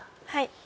はい。